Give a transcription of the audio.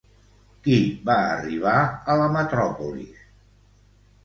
Qui va arribar a la metròpolis?